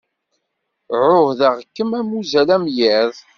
Ɛuhdeɣ-kem am uzal am yiḍ.